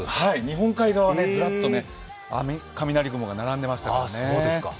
日本海側はズラッと雷雲が並んでいましたからね。